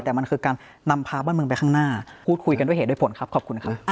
แต่มันคือการนำพาบ้านเมืองไปข้างหน้าพูดคุยกันด้วยเหตุด้วยผลครับขอบคุณครับ